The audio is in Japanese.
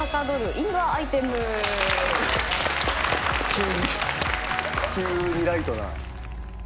急に急にライトな。